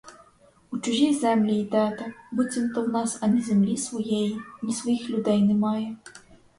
У чужі землі йдете, буцімто в нас ані землі своєї, ні своїх людей немає.